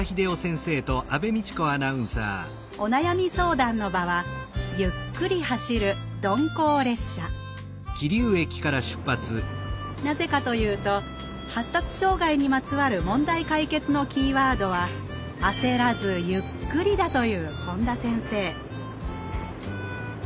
お悩み相談の場はゆっくり走る鈍行列車なぜかというと発達障害にまつわる問題解決のキーワードは「あせらずゆっくり」だという本田先生